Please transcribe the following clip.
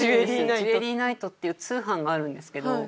『ジュエリーナイト』っていう通販があるんですけど。